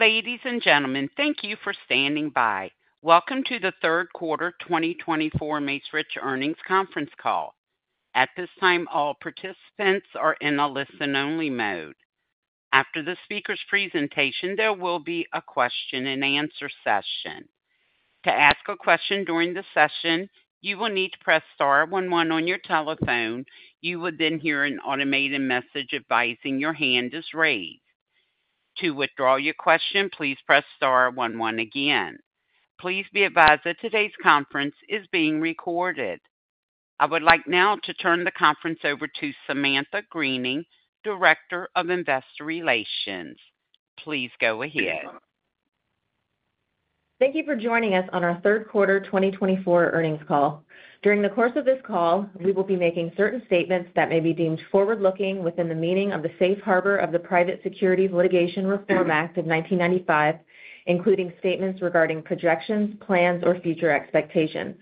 Ladies and gentlemen, thank you for standing by. Welcome to the Q3 2024 Macerich Earnings conference call. At this time, all participants are in a listen-only mode. After the speaker's presentation, there will be a question-and-answer session. To ask a question during the session, you will need to press star one one on your telephone. You will then hear an automated message advising your hand is raised. To withdraw your question, please press star one one again. Please be advised that today's conference is being recorded. I would like now to turn the conference over to Samantha Greening, Director of Investor Relations. Please go ahead. Thank you for joining us on our Q3 2024 earnings call. During the course of this call, we will be making certain statements that may be deemed forward-looking within the meaning of the Safe Harbor of the Private Securities Litigation Reform Act of 1995, including statements regarding projections, plans, or future expectations.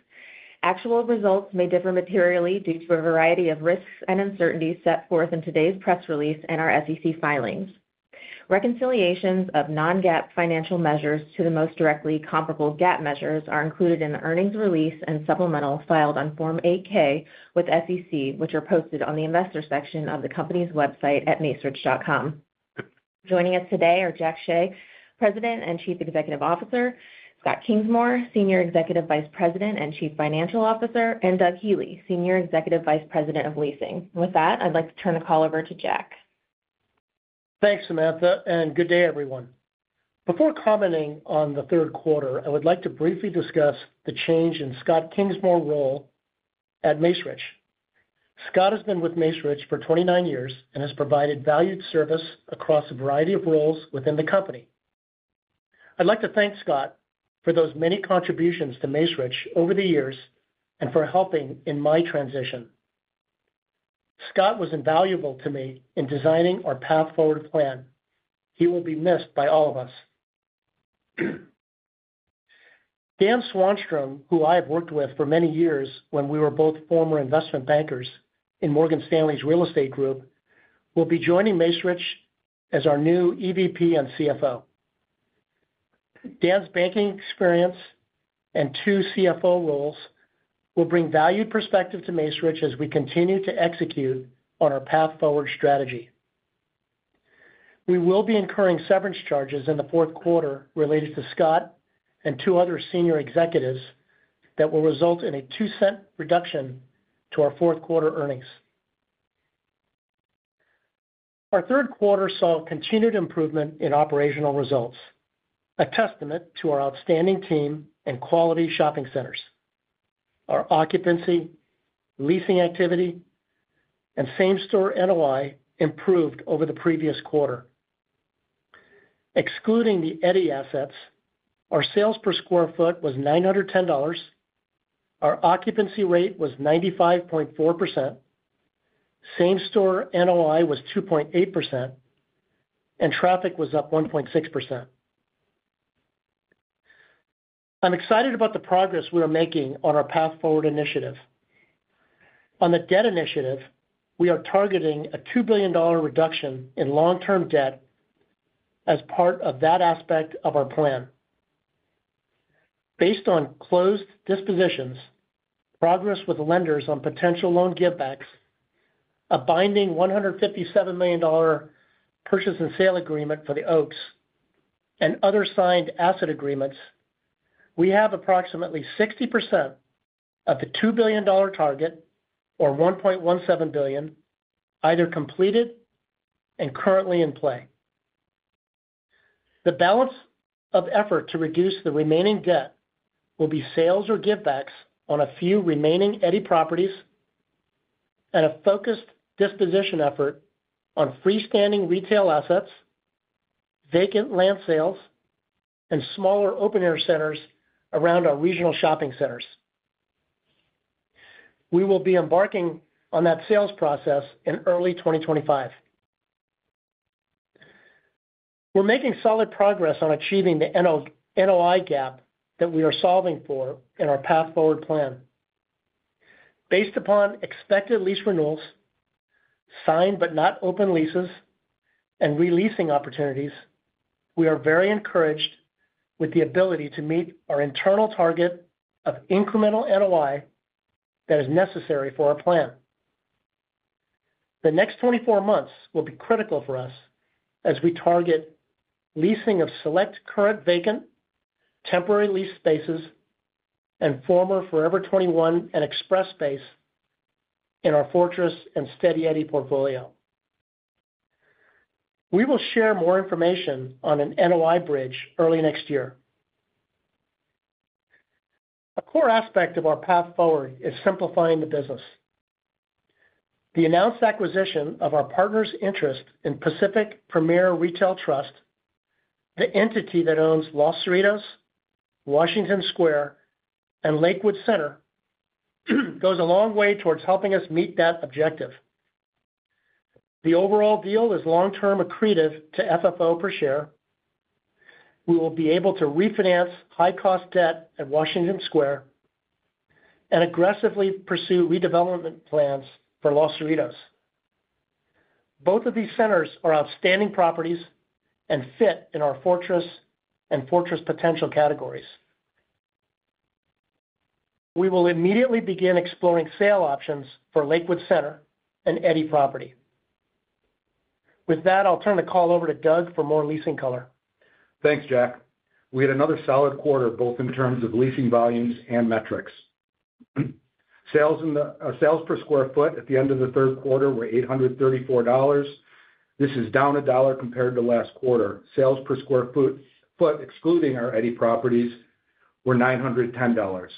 Actual results may differ materially due to a variety of risks and uncertainties set forth in today's press release and our SEC filings. Reconciliations of non-GAAP financial measures to the most directly comparable GAAP measures are included in the earnings release and supplemental filed on Form 8-K with SEC, which are posted on the investor section of the company's website at macerich.com. Joining us today are Jack Hsieh, President and Chief Executive Officer, Scott Kingsmore, Senior Executive Vice President and Chief Financial Officer, and Doug Healey, Senior Executive Vice President of Leasing. With that, I'd like to turn the call over to Jack. Thanks, Samantha, and good day, everyone. Before commenting on the Q3, I would like to briefly discuss the change in Scott Kingsmore's role at Macerich. Scott has been with Macerich for 29 years and has provided valued service across a variety of roles within the company. I'd like to thank Scott for those many contributions to Macerich over the years and for helping in my transition. Scott was invaluable to me in designing our path forward plan. He will be missed by all of us. Dan Swanstrom, who I have worked with for many years when we were both former investment bankers in Morgan Stanley's real estate group, will be joining Macerich as our new EVP and CFO. Dan's banking experience and two CFO roles will bring valued perspective to Macerich as we continue to execute on our path forward strategy. We will be incurring severance charges in the Q4 related to Scott and two other senior executives that will result in a $0.02 reduction to our Q4 earnings. Our Q3 saw continued improvement in operational results, a testament to our outstanding team and quality shopping centers. Our occupancy, leasing activity, and same-store NOI improved over the previous quarter. Excluding the Eddy assets, our sales per sq ft was $910, our occupancy rate was 95.4%, same-store NOI was 2.8%, and traffic was up 1.6%. I'm excited about the progress we are making on our Path Forward initiative. On the debt initiative, we are targeting a $2 billion reduction in long-term debt as part of that aspect of our plan. Based on closed dispositions, progress with lenders on potential loan give-backs, a binding $157 million purchase and sale agreement for The Oaks, and other signed asset agreements, we have approximately 60% of the $2 billion target, or $1.17 billion, either completed and currently in play. The balance of effort to reduce the remaining debt will be sales or give-backs on a few remaining Eddy properties and a focused disposition effort on freestanding retail assets, vacant land sales, and smaller open-air centers around our regional shopping centers. We will be embarking on that sales process in early 2025. We're making solid progress on achieving the NOI gap that we are solving for in our Path Forward plan. Based upon expected lease renewals, signed but not open leases, and re-leasing opportunities, we are very encouraged with the ability to meet our internal target of incremental NOI that is necessary for our plan. The next 24 months will be critical for us as we target leasing of select current vacant, temporary lease spaces, and former Forever 21 and Express space in our Fortress and Steady Eddy portfolio. We will share more information on an NOI bridge early next year. A core aspect of our Path Forward is simplifying the business. The announced acquisition of our partner's interest in Pacific Premier Retail Trust, the entity that owns Los Cerritos, Washington Square, and Lakewood Center, goes a long way towards helping us meet that objective. The overall deal is long-term accretive to FFO per share. We will be able to refinance high-cost debt at Washington Square and aggressively pursue redevelopment plans for Los Cerritos. Both of these centers are outstanding properties and fit in our Fortress and Fortress Potential categories. We will immediately begin exploring sale options for Lakewood Center and Eddy property. With that, I'll turn the call over to Doug for more leasing color. Thanks, Jack. We had another solid quarter, both in terms of leasing volumes and metrics. Sales per square foot at the end of the Q3 were $834. This is down a dollar compared to last quarter. Sales per square foot, excluding our Eddy properties, were $910.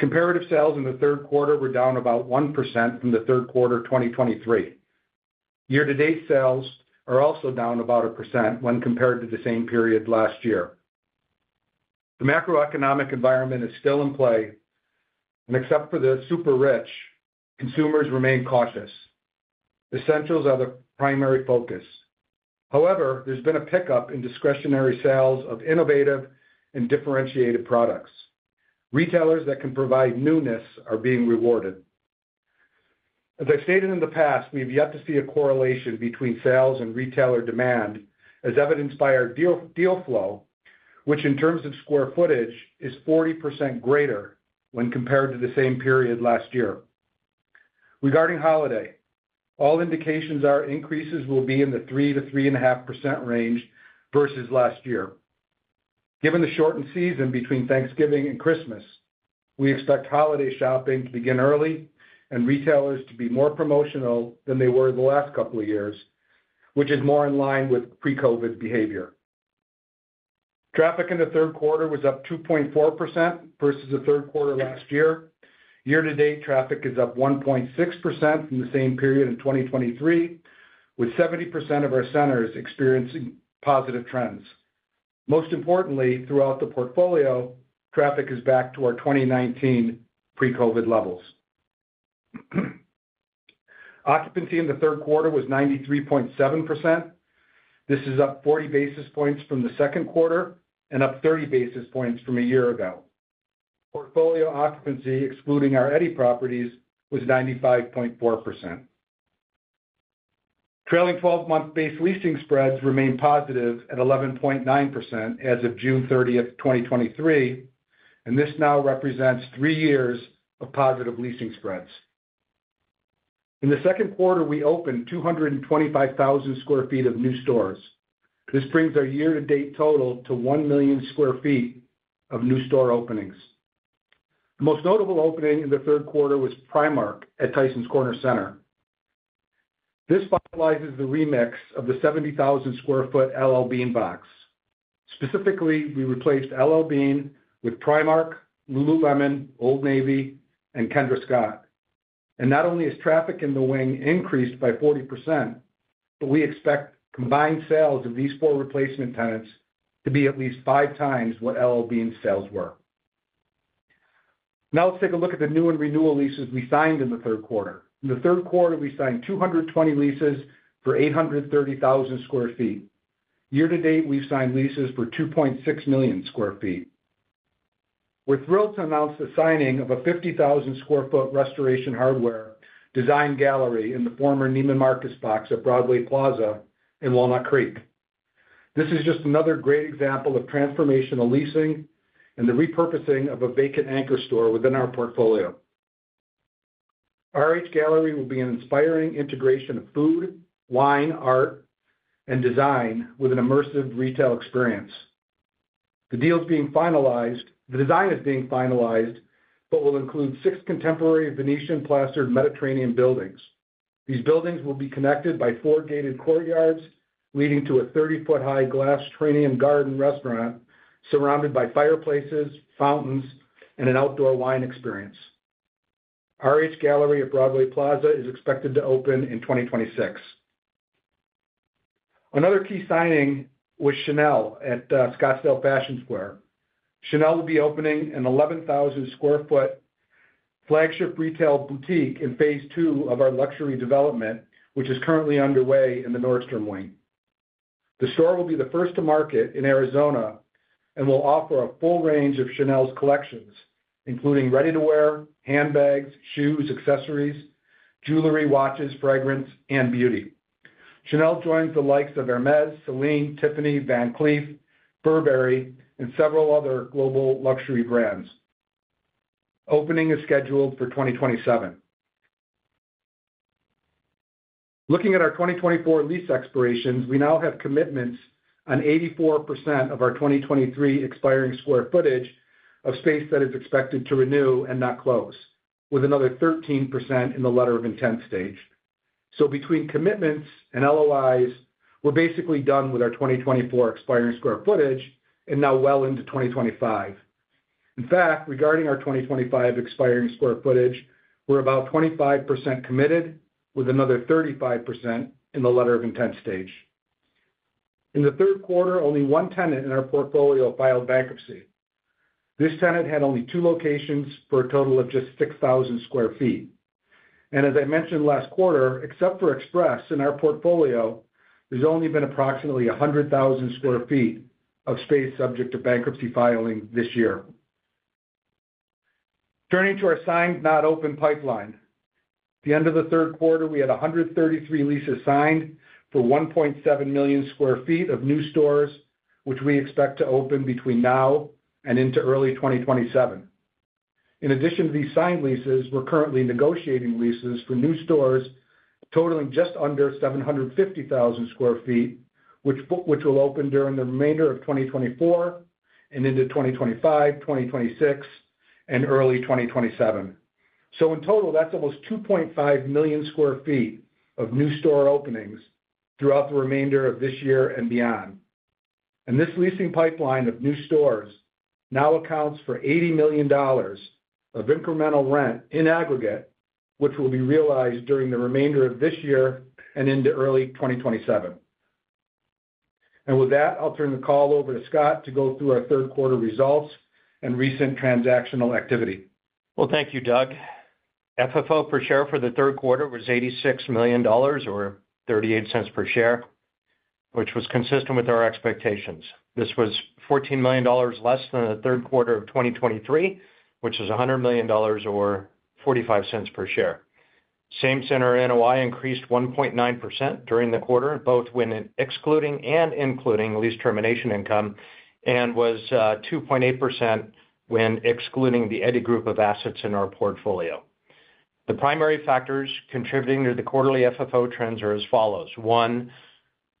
Comparative sales in the Q3 were down about 1% from the Q3 2023. Year-to-date sales are also down about 1% when compared to the same period last year. The macroeconomic environment is still in play, and except for the super-rich, consumers remain cautious. Essentials are the primary focus. However, there's been a pickup in discretionary sales of innovative and differentiated products. Retailers that can provide newness are being rewarded. As I've stated in the past, we have yet to see a correlation between sales and retailer demand, as evidenced by our deal flow, which in terms of square footage is 40% greater when compared to the same period last year. Regarding holiday, all indications are increases will be in the 3%-3.5% range versus last year. Given the shortened season between Thanksgiving and Christmas, we expect holiday shopping to begin early and retailers to be more promotional than they were the last couple of years, which is more in line with pre-COVID behavior. Traffic in the Q3 was up 2.4% versus the Q3 last year. Year-to-date traffic is up 1.6% from the same period in 2023, with 70% of our centers experiencing positive trends. Most importantly, throughout the portfolio, traffic is back to our 2019 pre-COVID levels. Occupancy in the Q3 was 93.7%. This is up 40 basis points from the Q2 and up 30 basis points from a year ago. Portfolio occupancy, excluding our Eddy properties, was 95.4%. Trailing 12-month base leasing spreads remain positive at 11.9% as of June 30, 2023, and this now represents three years of positive leasing spreads. In the Q2, we opened 225,000 sq ft of new stores. This brings our year-to-date total to 1 million sq ft of new store openings. The most notable opening in the Q3 was Primark at Tysons Corner Center. This finalizes the remix of the 70,000 sq ft L.L.Bean box. Specifically, we replaced L.L.Bean with Primark, Lululemon, Old Navy, and Kendra Scott. And not only is traffic in the wing increased by 40%, but we expect combined sales of these four replacement tenants to be at least five times what L.L.Bean's sales were. Now let's take a look at the new and renewal leases we signed in the Q3. In the Q3, we signed 220 leases for 830,000 sq ft. Year-to-date, we've signed leases for 2.6 million sq ft. We're thrilled to announce the signing of a 50,000 sq ft Restoration Hardware design gallery in the former Neiman Marcus box at Broadway Plaza in Walnut Creek. This is just another great example of transformational leasing and the repurposing of a vacant anchor store within our portfolio. Our RH gallery will be an inspiring integration of food, wine, art, and design with an immersive retail experience. The deal is being finalized. The design is being finalized, but will include six contemporary Venetian-plastered Mediterranean buildings. These buildings will be connected by four gated courtyards leading to a 30-foot high glass atrium and garden restaurant surrounded by fireplaces, fountains, and an outdoor wine experience. Our RH gallery at Broadway Plaza is expected to open in 2026. Another key signing was Chanel at Scottsdale Fashion Square. Chanel will be opening an 11,000 sq ft flagship retail boutique in phase two of our luxury development, which is currently underway in the Nordstrom wing. The store will be the first to market in Arizona and will offer a full range of Chanel's collections, including ready-to-wear, handbags, shoes, accessories, jewelry, watches, fragrance, and beauty. Chanel joins the likes of Hermes, Celine, Tiffany, Van Cleef, Burberry, and several other global luxury brands. Opening is scheduled for 2027. Looking at our 2024 lease expirations, we now have commitments on 84% of our 2023 expiring square footage of space that is expected to renew and not close, with another 13% in the letter of intent stage. Between commitments and LOIs, we're basically done with our 2024 expiring square footage and now well into 2025. In fact, regarding our 2025 expiring square footage, we're about 25% committed with another 35% in the letter of intent stage. In the Q3, only one tenant in our portfolio filed bankruptcy. This tenant had only two locations for a total of just 6,000 sq ft. As I mentioned last quarter, except for Express in our portfolio, there's only been approximately 100,000 sq ft of space subject to bankruptcy filing this year. Turning to our signed not open pipeline, at the end of the Q3, we had 133 leases signed for 1.7 million sq ft of new stores, which we expect to open between now and into early 2027. In addition to these signed leases, we're currently negotiating leases for new stores totaling just under 750,000 sq ft, which will open during the remainder of 2024 and into 2025, 2026, and early 2027. So in total, that's almost 2.5 million sq ft of new store openings throughout the remainder of this year and beyond. And this leasing pipeline of new stores now accounts for $80 million of incremental rent in aggregate, which will be realized during the remainder of this year and into early 2027. And with that, I'll turn the call over to Scott to go through our Q3 results and recent transactional activity. Thank you, Doug. FFO per share for the Q3 was $86 million, or $0.38 per share, which was consistent with our expectations. This was $14 million less than the Q3 of 2023, which was $100 million, or $0.45 per share. Same center NOI increased 1.9% during the quarter, both when excluding and including lease termination income, and was 2.8% when excluding the Eddy group of assets in our portfolio. The primary factors contributing to the quarterly FFO trends are as follows. One,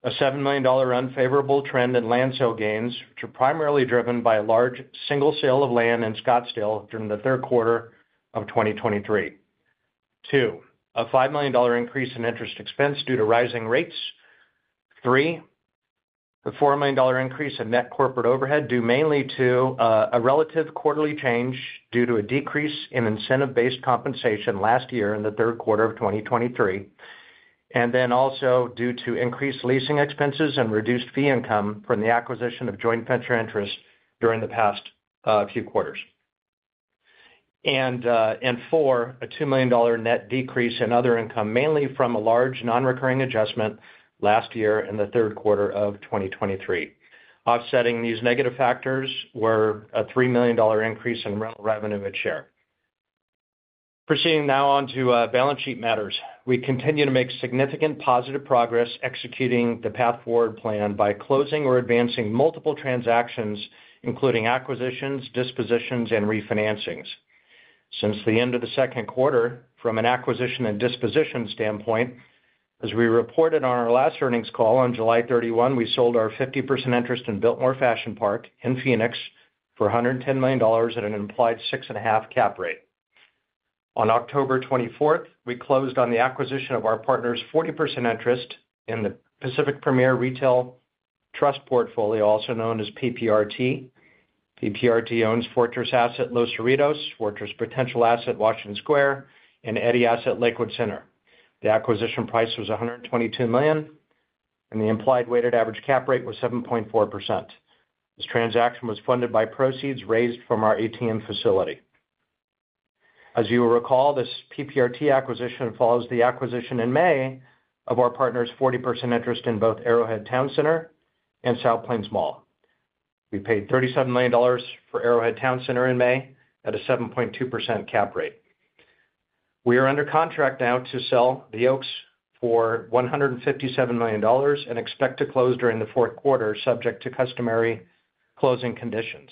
a $7 million unfavorable trend in land sale gains, which are primarily driven by a large single sale of land in Scottsdale during the Q3 of 2023. Two, a $5 million increase in interest expense due to rising rates. Three, a $4 million increase in net corporate overhead due mainly to a relative quarterly change due to a decrease in incentive-based compensation last year in the Q3 of 2023, and then also due to increased leasing expenses and reduced fee income from the acquisition of joint venture interest during the past few quarters, and four, a $2 million net decrease in other income, mainly from a large non-recurring adjustment last year in the Q3 of 2023. Offsetting these negative factors were a $3 million increase in rental revenue at share. Proceeding now on to balance sheet matters. We continue to make significant positive progress executing the Path Forward plan by closing or advancing multiple transactions, including acquisitions, dispositions, and refinancings. Since the end of the Q2, from an acquisition and disposition standpoint, as we reported on our last earnings call on July 31, we sold our 50% interest in Biltmore Fashion Park in Phoenix for $110 million at an implied 6.5% cap rate. On October 24, we closed on the acquisition of our partner's 40% interest in the Pacific Premier Retail Trust portfolio, also known as PPRT. PPRT owns Fortress Asset Los Cerritos, Fortress Potential Asset Washington Square, and Eddy Asset Lakewood Center. The acquisition price was $122 million, and the implied weighted average cap rate was 7.4%. This transaction was funded by proceeds raised from our ATM facility. As you will recall, this PPRT acquisition follows the acquisition in May of our partner's 40% interest in both Arrowhead Towne Center and South Plains Mall. We paid $37 million for Arrowhead Towne Center in May at a 7.2% cap rate. We are under contract now to sell The Oaks for $157 million and expect to close during the Q4, subject to customary closing conditions.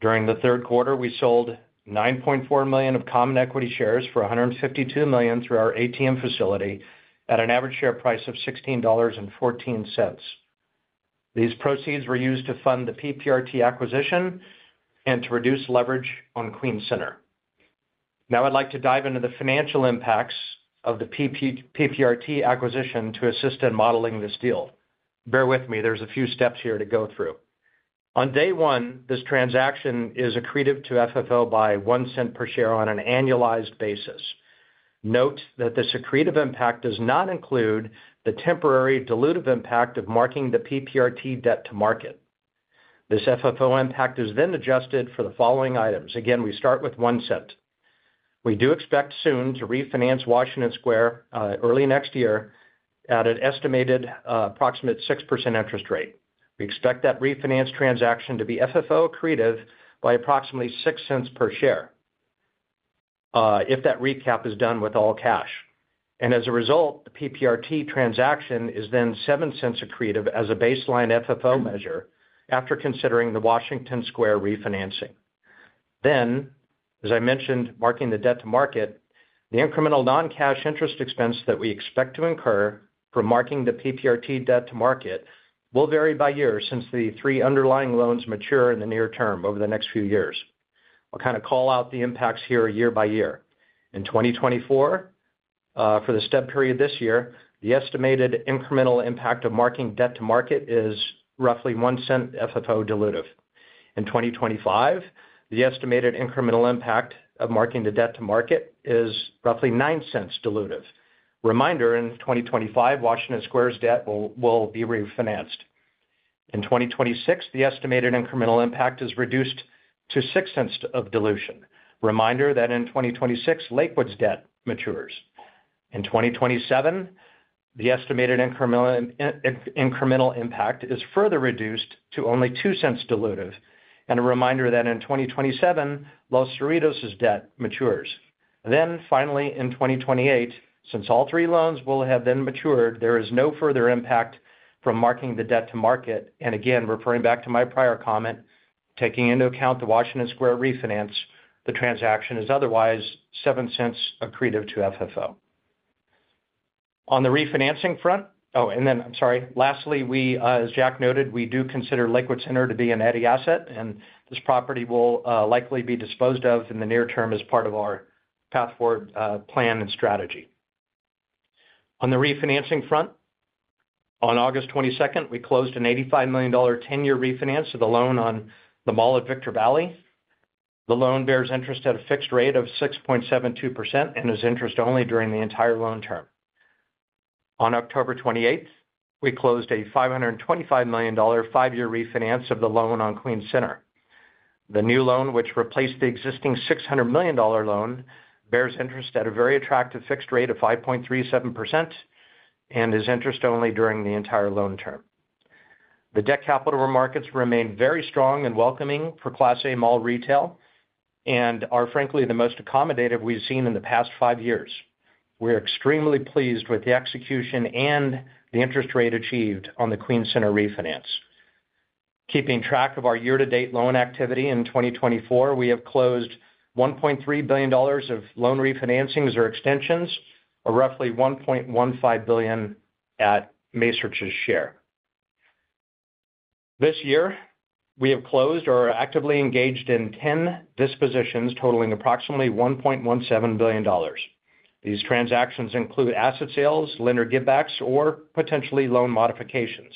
During the Q3, we sold 9.4 million of common equity shares for $152 million through our ATM facility at an average share price of $16.14. These proceeds were used to fund the PPRT acquisition and to reduce leverage on Queens Center. Now I'd like to dive into the financial impacts of the PPRT acquisition to assist in modeling this deal. Bear with me. There's a few steps here to go through. On day one, this transaction is accretive to FFO by $0.01 per share on an annualized basis. Note that this accretive impact does not include the temporary dilutive impact of marking the PPRT debt to market. This FFO impact is then adjusted for the following items. Again, we start with one cent. We do expect soon to refinance Washington Square early next year at an estimated approximate 6% interest rate. We expect that refinance transaction to be FFO accretive by approximately 6 cents per share if that recap is done with all cash. And as a result, the PPRT transaction is then 7 cents accretive as a baseline FFO measure after considering the Washington Square refinancing. Then, as I mentioned, marking the debt to market, the incremental non-cash interest expense that we expect to incur from marking the PPRT debt to market will vary by year since the three underlying loans mature in the near term over the next few years. I'll kind of call out the impacts here year by year. In 2024, for the stub period this year, the estimated incremental impact of marking debt to market is roughly one cent FFO dilutive. In 2025, the estimated incremental impact of marking the debt to market is roughly 9 cents dilutive. Reminder, in 2025, Washington Square's debt will be refinanced. In 2026, the estimated incremental impact is reduced to 6 cents of dilution. Reminder that in 2026, Lakewood's debt matures. In 2027, the estimated incremental impact is further reduced to only 2 cents dilutive. A reminder that in 2027, Los Cerritos debt matures. Finally, in 2028, since all three loans will have then matured, there is no further impact from marking the debt to market. Again, referring back to my prior comment, taking into account the Washington Square refinance, the transaction is otherwise 7 cents accretive to FFO. On the refinancing front, oh, and then I'm sorry. Lastly, as Jack noted, we do consider Lakewood Center to be an Eddy asset, and this property will likely be disposed of in the near term as part of our Path Forward plan and strategy. On the refinancing front, on August 22, we closed an $85 million 10-year refinance of the loan on The Mall of Victor Valley. The loan bears interest at a fixed rate of 6.72% and is interest only during the entire loan term. On October 28, we closed a $525 million five-year refinance of the loan on Queens Center. The new loan, which replaced the existing $600 million loan, bears interest at a very attractive fixed rate of 5.37% and is interest only during the entire loan term. The debt capital remarkets remain very strong and welcoming for Class A Mall retail and are, frankly, the most accommodative we've seen in the past five years. We're extremely pleased with the execution and the interest rate achieved on the Queens Center refinance. Keeping track of our year-to-date loan activity in 2024, we have closed $1.3 billion of loan refinancings or extensions, or roughly $1.15 billion at Macerich's share. This year, we have closed or are actively engaged in 10 dispositions totaling approximately $1.17 billion. These transactions include asset sales, lender give-backs, or potentially loan modifications.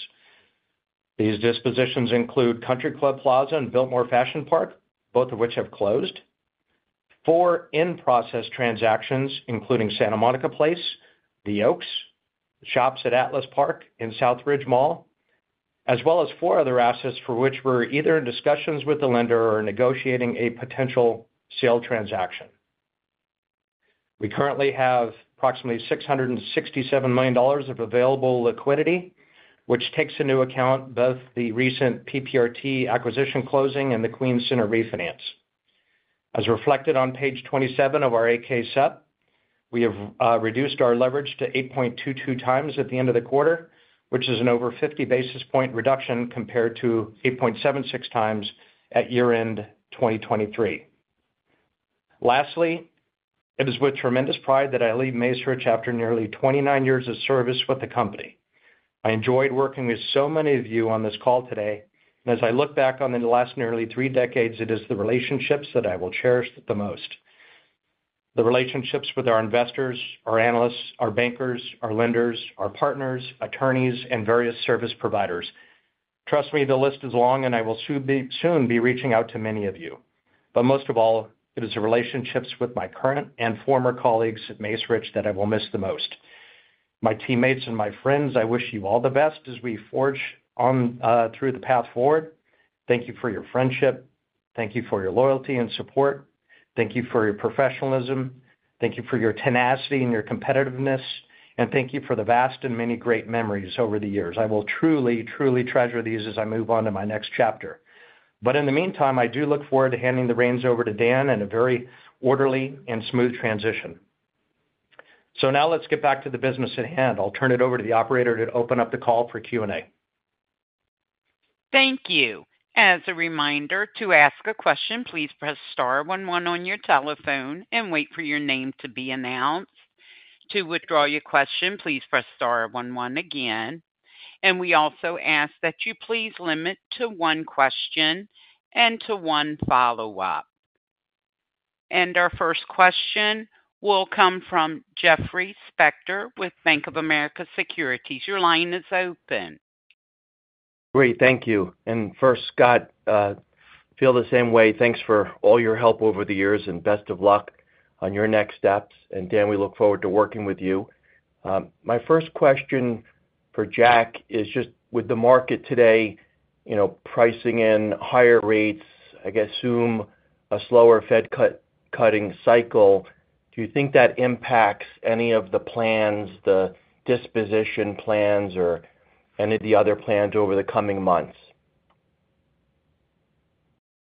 These dispositions include Country Club Plaza and Biltmore Fashion Park, both of which have closed. Four in-process transactions, including Santa Monica Place, The Oaks, Shops at Atlas Park and Southridge Mall, as well as four other assets for which we're either in discussions with the lender or negotiating a potential sale transaction. We currently have approximately $667 million of available liquidity, which takes into account both the recent PPRT acquisition closing and the Queens Center refinance. As reflected on page 27 of our 8-K, we have reduced our leverage to 8.22 times at the end of the quarter, which is an over 50 basis point reduction compared to 8.76 times at year-end 2023. Lastly, it is with tremendous pride that I leave Macerich after nearly 29 years of service with the company. I enjoyed working with so many of you on this call today. And as I look back on the last nearly three decades, it is the relationships that I will cherish the most: the relationships with our investors, our analysts, our bankers, our lenders, our partners, attorneys, and various service providers. Trust me, the list is long, and I will soon be reaching out to many of you. But most of all, it is the relationships with my current and former colleagues at Macerich that I will miss the most. My teammates and my friends, I wish you all the best as we forge through the path forward. Thank you for your friendship. Thank you for your loyalty and support. Thank you for your professionalism. Thank you for your tenacity and your competitiveness. And thank you for the vast and many great memories over the years. I will truly, truly treasure these as I move on to my next chapter. But in the meantime, I do look forward to handing the reins over to Dan in a very orderly and smooth transition. So now let's get back to the business at hand. I'll turn it over to the operator to open up the call for Q&A. Thank you. As a reminder, to ask a question, please press star one one on your telephone and wait for your name to be announced. To withdraw your question, please press star one one again. And we also ask that you please limit to one question and to one follow-up. And our first question will come from Jeffrey Spector with Bank of America Securities. Your line is open. Great. Thank you. And first, Scott, feel the same way. Thanks for all your help over the years and best of luck on your next steps. And Dan, we look forward to working with you. My first question for Jack is just, with the market today pricing in higher rates, I guess, soon a slower Fed cutting cycle, do you think that impacts any of the plans, the disposition plans, or any of the other plans over the coming months?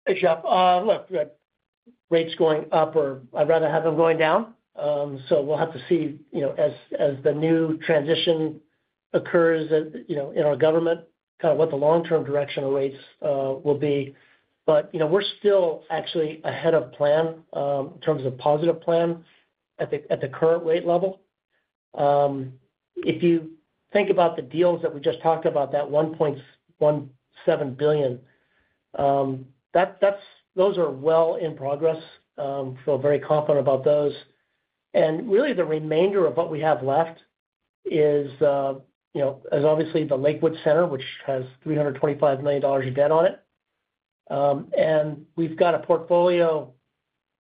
Hey, Jeff. Look, rates going up are. I'd rather have them going down. So we'll have to see as the new transition occurs in our government, kind of what the long-term direction of rates will be. But we're still actually ahead of plan in terms of positive plan at the current rate level. If you think about the deals that we just talked about, that $1.17 billion, those are well in progress. I feel very confident about those. And really, the remainder of what we have left is, obviously, the Lakewood Center, which has $325 million of debt on it. And we've got a portfolio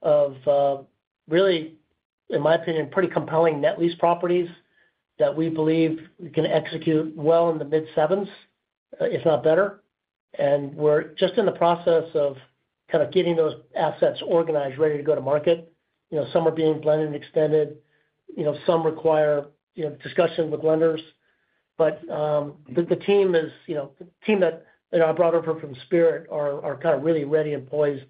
of, really, in my opinion, pretty compelling net lease properties that we believe we can execute well in the mid-sevens, if not better. And we're just in the process of kind of getting those assets organized, ready to go to market. Some are being blended and extended. Some require discussion with lenders, but the team that I brought over from Spirit are kind of really ready and poised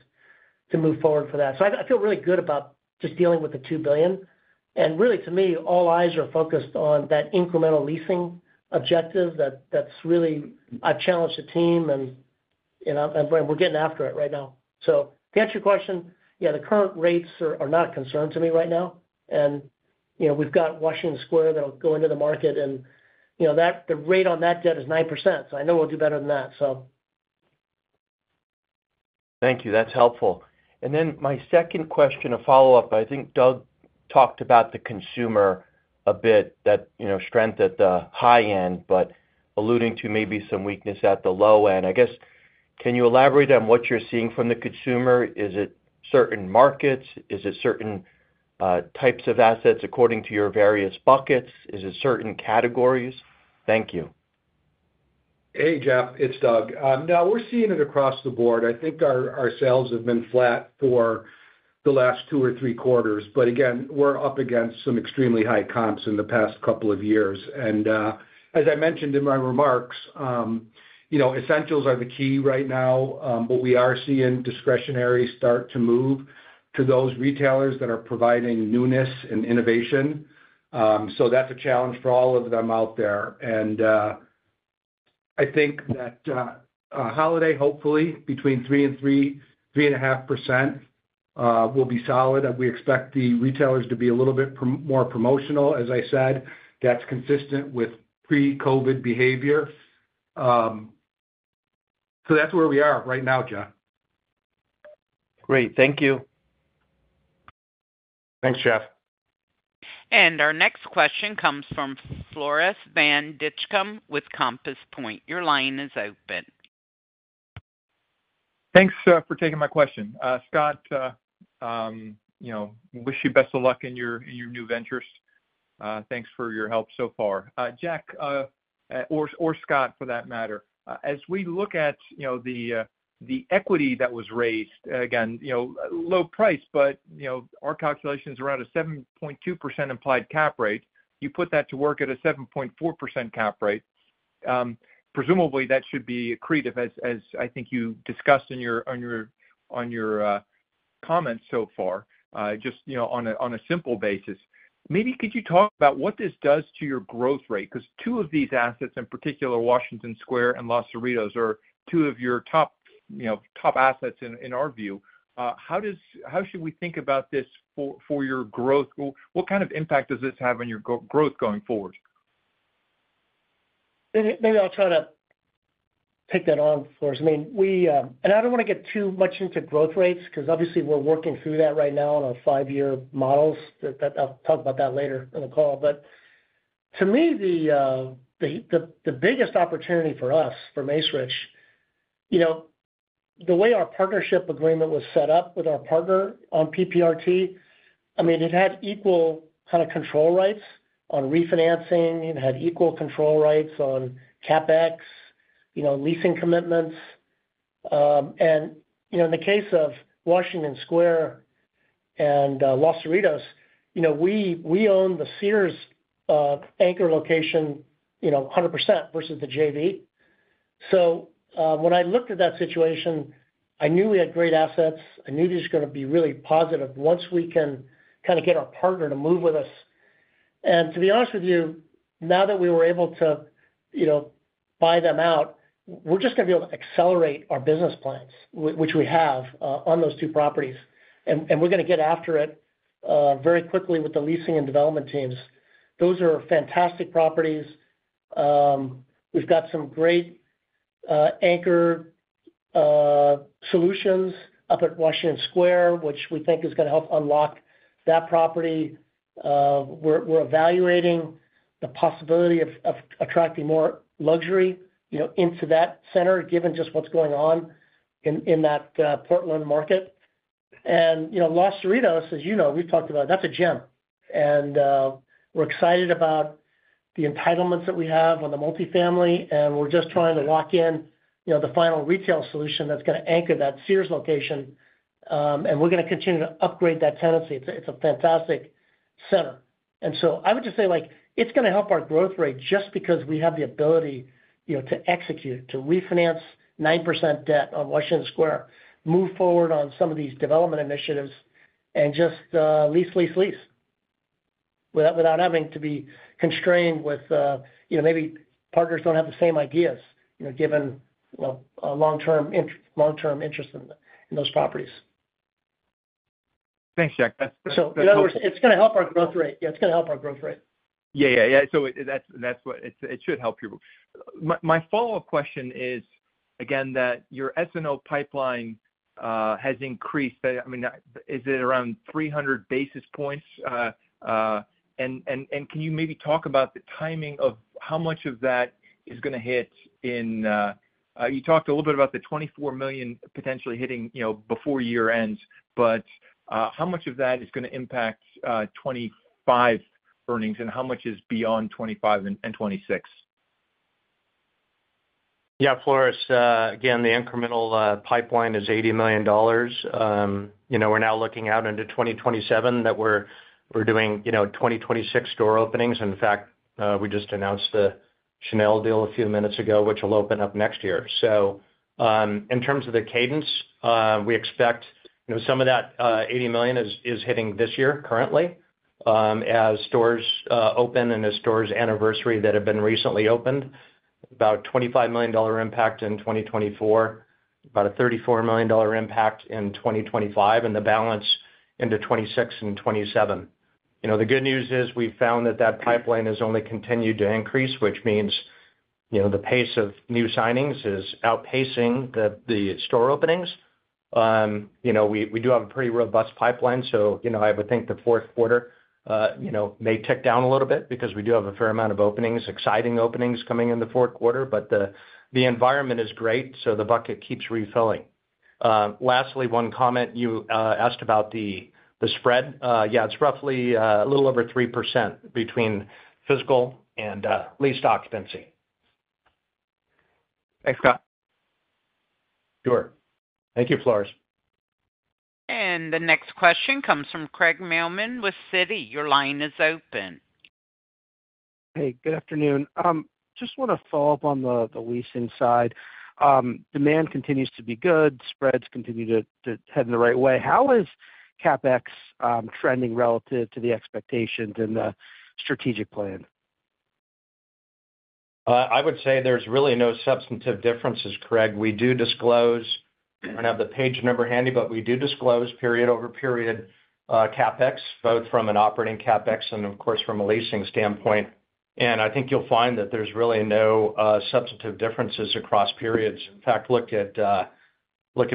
to move forward for that. So I feel really good about just dealing with the $2 billion, and really, to me, all eyes are focused on that incremental leasing objective that's really. I've challenged the team, and we're getting after it right now. So to answer your question, yeah, the current rates are not a concern to me right now, and we've got Washington Square that'll go into the market. And the rate on that debt is 9%. So I know we'll do better than that, so. Thank you. That's helpful. And then my second question, a follow-up. I think Doug talked about the consumer a bit, that strength at the high end, but alluding to maybe some weakness at the low end. I guess, can you elaborate on what you're seeing from the consumer? Is it certain markets? Is it certain types of assets according to your various buckets? Is it certain categories? Thank you. Hey, Jeff. It's Doug. Now, we're seeing it across the board. I think our sales have been flat for the last two or three quarters. But again, we're up against some extremely high comps in the past couple of years. And as I mentioned in my remarks, essentials are the key right now, but we are seeing discretionary start to move to those retailers that are providing newness and innovation. So that's a challenge for all of them out there. And I think that a holiday, hopefully, between 3% and 3.5% will be solid. We expect the retailers to be a little bit more promotional. As I said, that's consistent with pre-COVID behavior. So that's where we are right now, Jeff. Great. Thank you. Thanks, Jeff. Our next question comes from Floris van Dijkum with Compass Point. Your line is open. Thanks for taking my question. Scott, wish you best of luck in your new ventures. Thanks for your help so far. Jack, or Scott for that matter, as we look at the equity that was raised, again, low price, but our calculations are at a 7.2% implied cap rate. You put that to work at a 7.4% cap rate. Presumably, that should be accretive, as I think you discussed in your comments so far, just on a simple basis. Maybe could you talk about what this does to your growth rate? Because two of these assets, in particular, Washington Square and Los Cerritos, are two of your top assets in our view. How should we think about this for your growth? What kind of impact does this have on your growth going forward? Maybe I'll try to take that on, Floris. I mean, and I don't want to get too much into growth rates because obviously, we're working through that right now on our five-year models. I'll talk about that later in the call. But to me, the biggest opportunity for us, for Macerich, the way our partnership agreement was set up with our partner on PPRT, I mean, it had equal kind of control rights on refinancing. It had equal control rights on CapEx, leasing commitments. And in the case of Washington Square and Los Cerritos, we own the Sears anchor location 100% versus the JV. So when I looked at that situation, I knew we had great assets. I knew this was going to be really positive once we can kind of get our partner to move with us. And to be honest with you, now that we were able to buy them out, we're just going to be able to accelerate our business plans, which we have on those two properties. And we're going to get after it very quickly with the leasing and development teams. Those are fantastic properties. We've got some great anchor solutions up at Washington Square, which we think is going to help unlock that property. We're evaluating the possibility of attracting more luxury into that center, given just what's going on in that Portland market. And Los Cerritos, as you know, we've talked about it. That's a gem. And we're excited about the entitlements that we have on the multifamily. And we're just trying to lock in the final retail solution that's going to anchor that Sears location. And we're going to continue to upgrade that tenancy. It's a fantastic center. So I would just say it's going to help our growth rate just because we have the ability to execute, to refinance 9% debt on Washington Square, move forward on some of these development initiatives, and just lease, lease, lease without having to be constrained with maybe partners don't have the same ideas, given long-term interest in those properties. Thanks, Jeff. That's great. So in other words, it's going to help our growth rate. Yeah, it's going to help our growth rate. So that's what it should help you. My follow-up question is, again, that your S&O pipeline has increased. I mean, is it around 300 basis points? And can you maybe talk about the timing of how much of that is going to hit in '24? You talked a little bit about the $24 million potentially hitting before year-end, but how much of that is going to impact 2025 earnings and how much is beyond 2025 and 2026? Yeah, Floris, again, the incremental pipeline is $80 million. We're now looking out into 2027 that we're doing 2026 store openings. In fact, we just announced the Chanel deal a few minutes ago, which will open up next year. So in terms of the cadence, we expect some of that 80 million is hitting this year currently as stores open and as stores anniversary that have been recently opened, about $25 million impact in 2024, about a $34 million impact in 2025, and the balance into 2026 and 2027. The good news is we've found that that pipeline has only continued to increase, which means the pace of new signings is outpacing the store openings. We do have a pretty robust pipeline. So I would think the Q4 may tick down a little bit because we do have a fair amount of openings, exciting openings coming in the Q4, but the environment is great. So the bucket keeps refilling. Lastly, one comment. You asked about the spread. Yeah, it's roughly a little over 3% between physical and leased occupancy. Thanks, Scott. Sure. Thank you, Floris. And the next question comes from Craig Mailman with Citi. Your line is open. Hey, good afternoon. Just want to follow up on the leasing side. Demand continues to be good. Spreads continue to head in the right way. How is CapEx trending relative to the expectations and the strategic plan? I would say there's really no substantive differences, Craig. We do disclose. I don't have the page number handy, but we do disclose period over period CapEx, both from an operating CapEx and, of course, from a leasing standpoint. And I think you'll find that there's really no substantive differences across periods. In fact, look at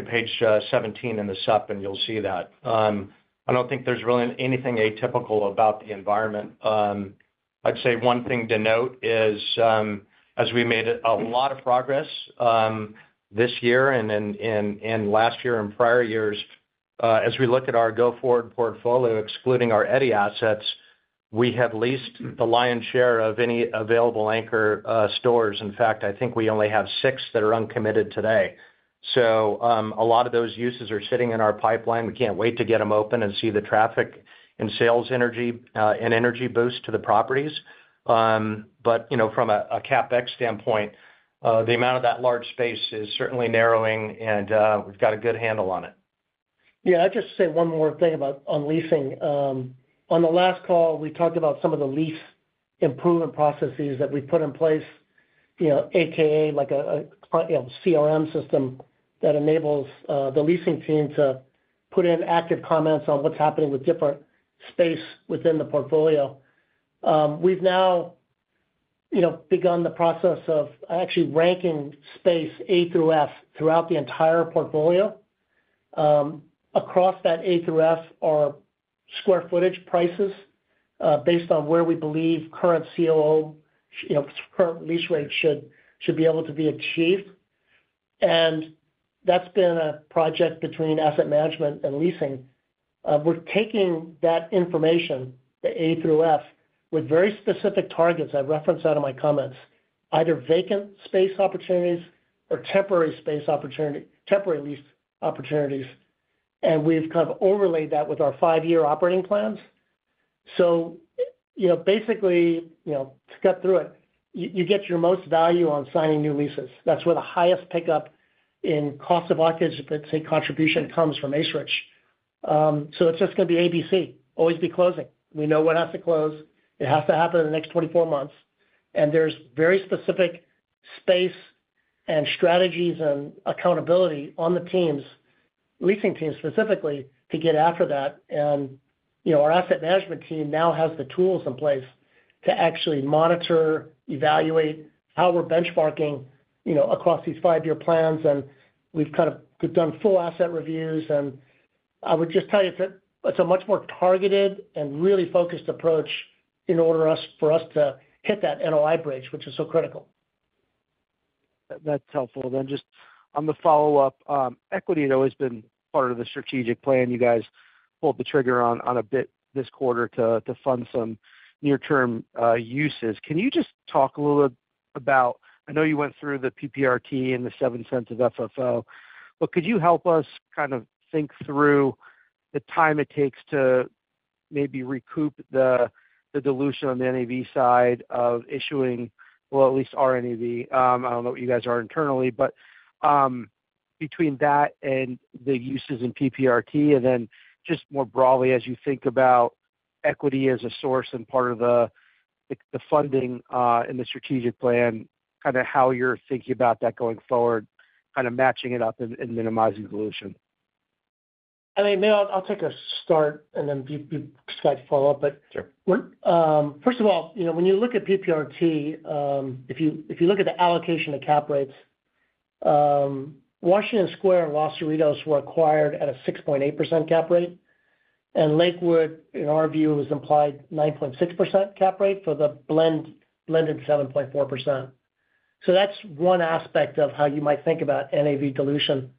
page 17 in the SUP, and you'll see that. I don't think there's really anything atypical about the environment. I'd say one thing to note is, as we made a lot of progress this year and last year and prior years, as we look at our go-forward portfolio, excluding our Eddy assets, we have leased the lion's share of any available anchor stores. In fact, I think we only have six that are uncommitted today. So a lot of those uses are sitting in our pipeline. We can't wait to get them open and see the traffic and sales energy and energy boost to the properties. But from a CapEx standpoint, the amount of that large space is certainly narrowing, and we've got a good handle on it. Yeah. I'd just say one more thing about leasing. On the last call, we talked about some of the lease improvement processes that we've put in place, a.k.a. like a CRM system that enables the leasing team to put in active comments on what's happening with different space within the portfolio. We've now begun the process of actually ranking space A through F throughout the entire portfolio. Across that A through F are square footage prices based on where we believe current COO, current lease rate should be able to be achieved. And that's been a project between asset management and leasing. We're taking that information, the A through F, with very specific targets I referenced out of my comments, either vacant space opportunities or temporary lease opportunities. And we've kind of overlaid that with our five-year operating plans. Basically, to cut through it, you get your most value on signing new leases. That's where the highest pickup in cost of occupancy, let's say, contribution comes from Macerich. It's just going to be A, B, C. Always be closing. We know what has to close. It has to happen in the next 24 months. There's very specific space and strategies and accountability on the teams, leasing teams specifically, to get after that. Our asset management team now has the tools in place to actually monitor, evaluate how we're benchmarking across these five-year plans. We've kind of done full asset reviews. I would just tell you, it's a much more targeted and really focused approach in order for us to hit that NOI bridge, which is so critical. That's helpful, then just on the follow-up, equity has always been part of the strategic plan. You guys pulled the trigger on a bit this quarter to fund some near-term uses. Can you just talk a little bit about, I know you went through the PPRT and the $0.07 of FFO, but could you help us kind of think through the time it takes to maybe recoup the dilution on the NAV side of issuing, well, at least our NAV? I don't know what you guys are internally, but between that and the uses in PPRT, and then just more broadly, as you think about equity as a source and part of the funding and the strategic plan, kind of how you're thinking about that going forward, kind of matching it up and minimizing dilution. I mean, maybe I'll take a start, and then you guys follow up, but first of all, when you look at PPRT, if you look at the allocation of cap rates, Washington Square and Los Cerritos were acquired at a 6.8% cap rate, and Lakewood, in our view, was implied 9.6% cap rate for the blended 7.4%, so that's one aspect of how you might think about NAV dilution.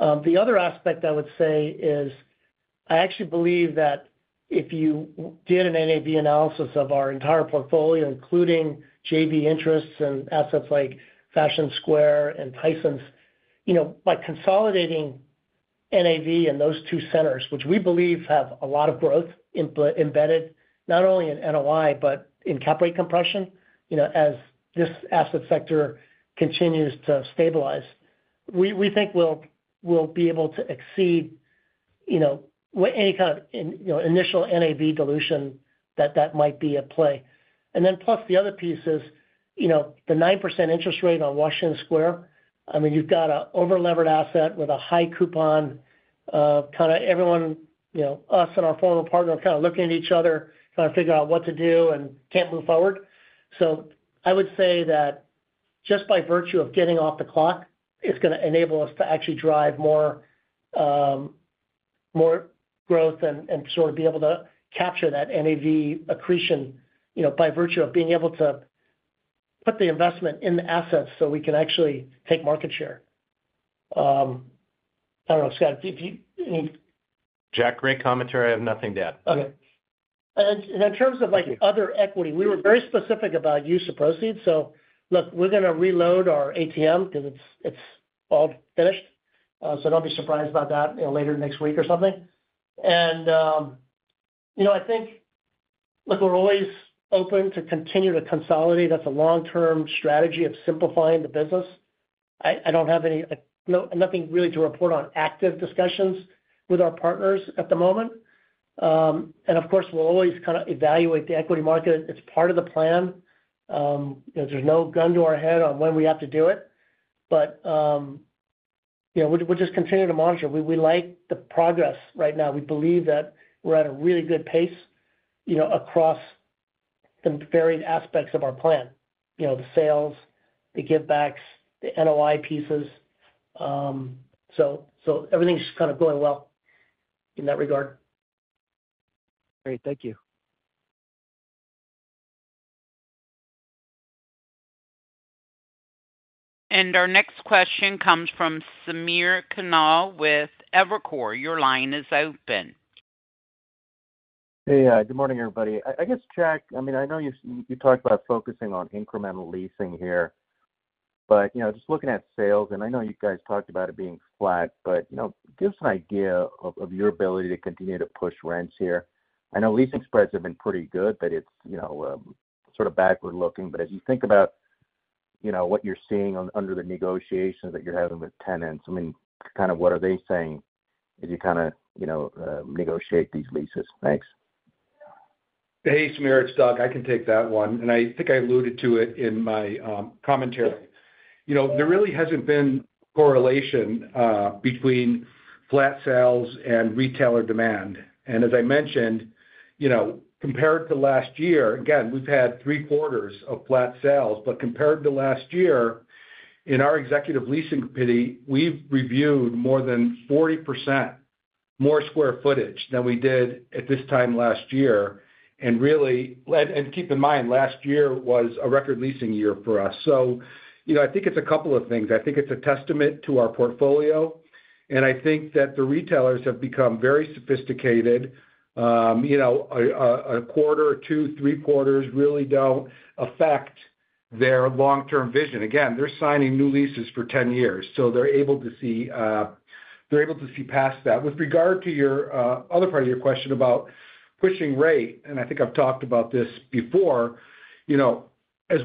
The other aspect I would say is I actually believe that if you did an NAV analysis of our entire portfolio, including JV interests and assets like Fashion Square and Tysons, by consolidating NAV in those two centers, which we believe have a lot of growth embedded not only in NOI, but in cap rate compression, as this asset sector continues to stabilize, we think we'll be able to exceed any kind of initial NAV dilution that might be at play. And then plus the other piece is the 9% interest rate on Washington Square. I mean, you've got an over-levered asset with a high coupon. Kind of everyone, us and our former partner, are kind of looking at each other, trying to figure out what to do and can't move forward. So I would say that just by virtue of getting off the clock, it's going to enable us to actually drive more growth and sort of be able to capture that NAV accretion by virtue of being able to put the investment in the assets so we can actually take market share. I don't know, Scott, if you- Jack, great commentary. I have nothing to add. Okay. And in terms of other equity, we were very specific about use of proceeds. So look, we're going to reload our ATM because it's all finished. So don't be surprised about that later next week or something. And I think, look, we're always open to continue to consolidate. That's a long-term strategy of simplifying the business. I don't have nothing really to report on active discussions with our partners at the moment. And of course, we'll always kind of evaluate the equity market. It's part of the plan. There's no gun to our head on when we have to do it. But we'll just continue to monitor. We like the progress right now. We believe that we're at a really good pace across the varied aspects of our plan: the sales, the give-backs, the NOI pieces. So everything's kind of going well in that regard. Great. Thank you. And our next question comes from Samir Khanal with Evercore. Your line is open. Hey, good morning, everybody. I guess, Jack, I mean, I know you talked about focusing on incremental leasing here, but just looking at sales, and I know you guys talked about it being flat, but give us an idea of your ability to continue to push rents here. I know leasing spreads have been pretty good, but it's sort of backward-looking. But as you think about what you're seeing under the negotiations that you're having with tenants, I mean, kind of what are they saying as you kind of negotiate these leases? Thanks. Hey, Samir. It's Doug. I can take that one. I think I alluded to it in my commentary. There really hasn't been a correlation between flat sales and retailer demand. As I mentioned, compared to last year, again, we've had three quarters of flat sales. But compared to last year, in our executive leasing committee, we've reviewed more than 40% more square footage than we did at this time last year. Really, keep in mind, last year was a record leasing year for us. So I think it's a couple of things. I think it's a testament to our portfolio. I think that the retailers have become very sophisticated. A quarter, two, three quarters really don't affect their long-term vision. Again, they're signing new leases for 10 years. So they're able to see past that. With regard to your other part of your question about pushing rate, and I think I've talked about this before, as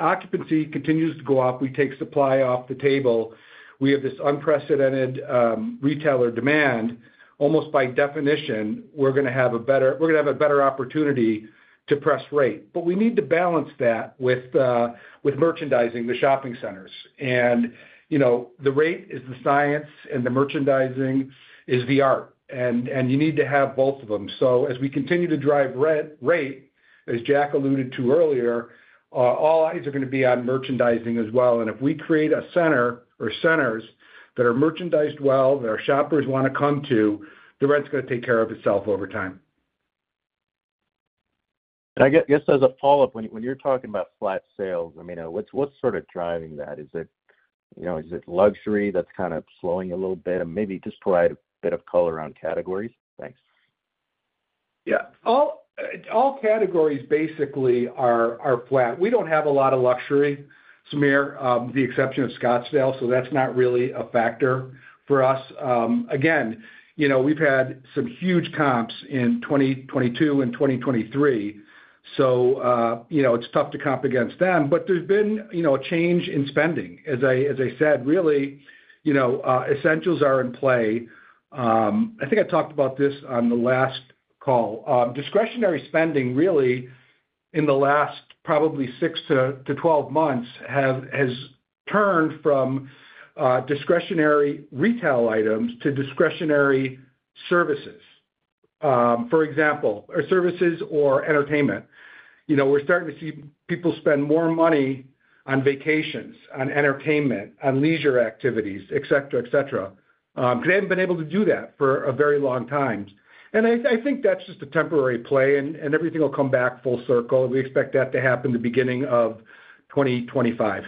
occupancy continues to go up, we take supply off the table. We have this unprecedented retailer demand. Almost by definition, we're going to have a better opportunity to press rate. But we need to balance that with merchandising the shopping centers. And the rate is the science, and the merchandising is the art. And you need to have both of them. So as we continue to drive rate, as Jack alluded to earlier, all eyes are going to be on merchandising as well. And if we create a center or centers that are merchandised well, that our shoppers want to come to, the rent's going to take care of itself over time. I guess as a follow-up, when you're talking about flat sales, I mean, what's sort of driving that? Is it luxury that's kind of slowing a little bit? And maybe just provide a bit of color on categories. Thanks. Yeah. All categories basically are flat. We don't have a lot of luxury, Samir, with the exception of Scottsdale. So that's not really a factor for us. Again, we've had some huge comps in 2022 and 2023. So it's tough to comp against them. But there's been a change in spending. As I said, really, essentials are in play. I think I talked about this on the last call. Discretionary spending, really, in the last probably 6-12 months, has turned from discretionary retail items to discretionary services, for example, or services or entertainment. We're starting to see people spend more money on vacations, on entertainment, on leisure activities, etc., etc. They haven't been able to do that for a very long time. And I think that's just a temporary play, and everything will come back full circle. We expect that to happen the beginning of 2025.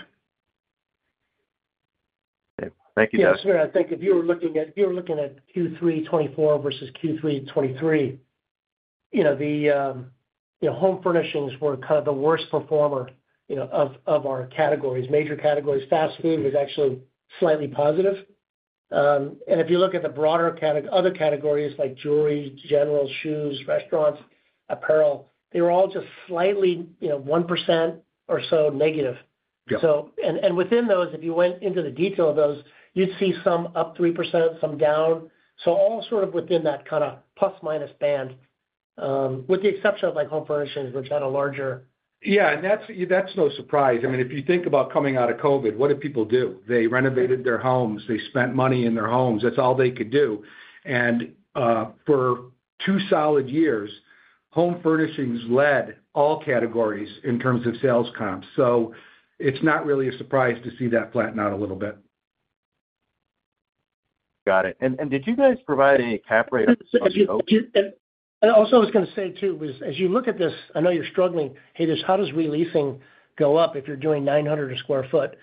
Okay. Thank you, Doug. Yes, sir. I think if you were looking at Q3 '24 versus Q3 '23, the home furnishings were kind of the worst performer of our categories, major categories. Fast food was actually slightly positive. And if you look at the broader other categories like jewelry, general shoes, restaurants, apparel, they were all just slightly 1% or so negative. And within those, if you went into the detail of those, you'd see some up 3%, some down. So all sort of within that kind of plus-minus band, with the exception of home furnishings, which had a larger. Yeah. And that's no surprise. I mean, if you think about coming out of COVID, what did people do? They renovated their homes. They spent money in their homes. That's all they could do. And for two solid years, home furnishings led all categories in terms of sales comp. So it's not really a surprise to see that flatten out a little bit. Got it. And did you guys provide any cap rate? Also, I was going to say too, as you look at this, I know you're struggling, "Hey, how does leasing go up if you're doing 900 a sq ft?"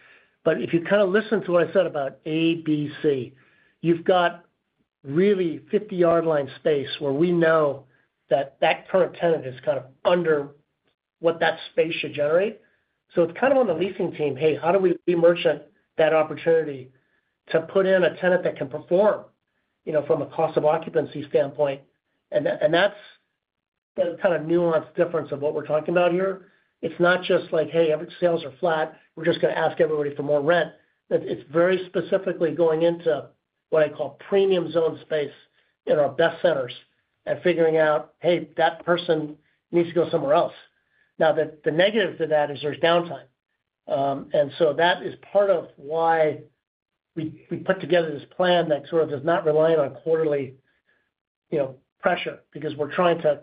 But if you kind of listen to what I said about A, B, C, you've got really 50-yard line space where we know that that current tenant is kind of under what that space should generate. So it's kind of on the leasing team, "Hey, how do we re-merchandise that opportunity to put in a tenant that can perform from a cost of occupancy standpoint?" And that's the kind of nuanced difference of what we're talking about here. It's not just like, "Hey, every sales are flat. We're just going to ask everybody for more rent." It's very specifically going into what I call premium zone space in our best centers and figuring out, "Hey, that person needs to go somewhere else." Now, the negative to that is there's downtime, and so that is part of why we put together this plan that sort of is not reliant on quarterly pressure because we're trying to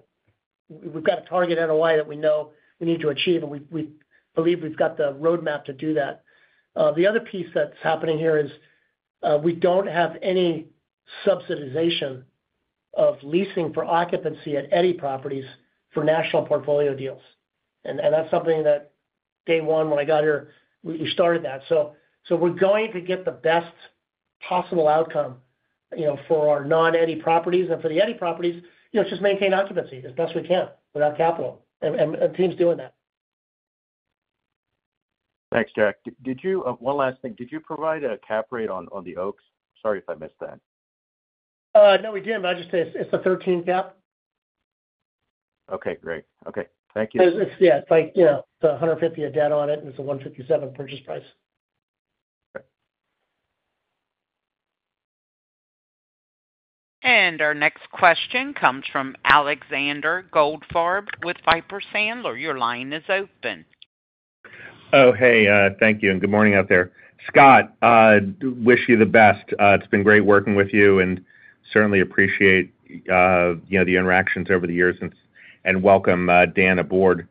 we've got a target NOI that we know we need to achieve, and we believe we've got the roadmap to do that. The other piece that's happening here is we don't have any subsidization of leasing for occupancy at Eddy properties for national portfolio deals, and that's something that day one when I got here, we started that. So we're going to get the best possible outcome for our non-Eddy properties. For the Eddy properties, just maintain occupancy as best we can without capital. The team's doing that. Thanks, Jack. One last thing. Did you provide a cap rate on The Oaks? Sorry if I missed that. No, we didn't, but I just say it's a 13 cap. Okay. Great. Okay. Thank you. Yeah. It's like it's a $150M debt on it, and it's a $157 purchase price. Okay. Our next question comes from Alexander Goldfarb with Piper Sandler. Your line is open. Oh, hey. Thank you and good morning out there. Scott, wish you the best. It's been great working with you and certainly appreciate the interactions over the years and welcome, Dan, aboard.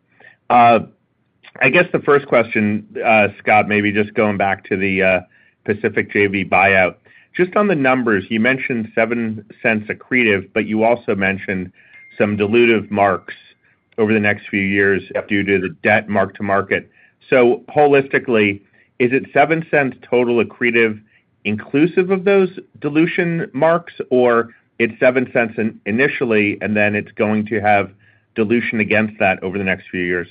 I guess the first question, Scott, maybe just going back to the Pacific JV buyout. Just on the numbers, you mentioned $0.07 accretive, but you also mentioned some dilutive marks over the next few years due to the debt mark-to-market. So holistically, is it $0.07 total accretive inclusive of those dilution marks, or it's $0.07 initially, and then it's going to have dilution against that over the next few years?